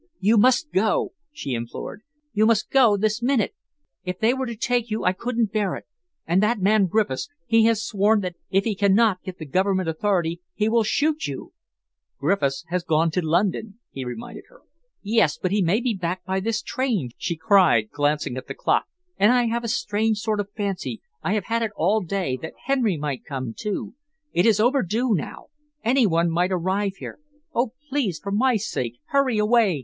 "You must go!" she implored. "You must go this minute! If they were to take you, I couldn't bear it. And that man Griffiths he has sworn that if he can not get the Government authority, he will shoot you!" "Griffiths has gone to London," he reminded her. "Yes, but he may be back by this train," she cried, glancing at the clock, "and I have a strange sort of fancy I have had it all day that Henry might come, too. It is overdue now. Any one might arrive here. Oh, please, for my sake, hurry away!"